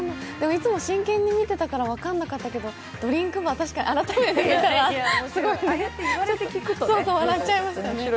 いつも真剣に見てたから分からなかったけど、ドリンクバー、確かに改めて見たら笑っちゃいましたね。